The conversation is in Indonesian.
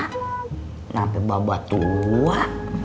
kenapa babah tua